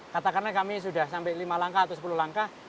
katakanlah kami sudah sampai lima langkah atau sepuluh langkah